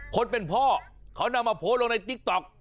คนเป็นพ่อเขานำมาโพสต์ลงในติ๊กต๊อก